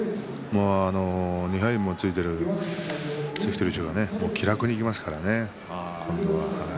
２敗もついている関取衆は今度は気楽にいきますからね。